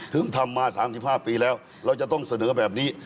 ถึงทำมา๓๕ปีแล้วเราจะต้องเสนอแบบนี้